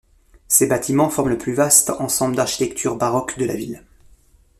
Ses bâtiments forment le plus vaste ensemble d'architecture baroque de la ville.